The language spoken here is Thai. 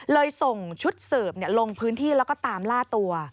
ส่งชุดสืบลงพื้นที่แล้วก็ตามล่าตัว